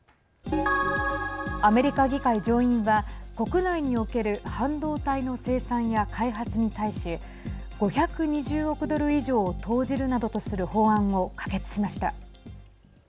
アメリカ議会上院は国内における半導体の生産や開発に対し５２０億ドル以上を投じるなどとする法案を可決しました。